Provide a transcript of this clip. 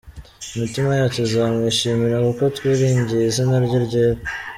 Imitima yacu izamwishimira, Kuko twiringiye izina rye ryera.